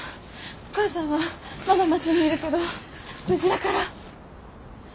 お母さんはまだ町にいるけど無事だから。